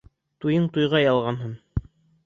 Туйың туйға ялғанһын!